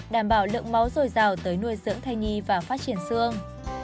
đảm bảo lượng máu dồi dào tới nuôi dưỡng thai nhi và phát triển xương